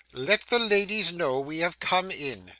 'Let the ladies know we have come in.